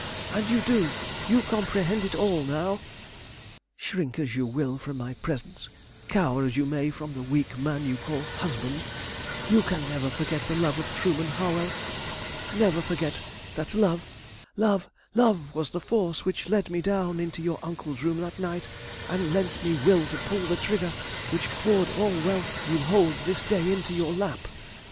And you do. You comprehend it all now. Shrink as you will from my presence, cower as you may to the weak man you call husband, you can never forget the love of Trueman Harwell; never forget that love, love, love, was the force which led me down into your uncle's room that night, and lent me will to pull the trigger which poured all the wealth you hold this day into your lap.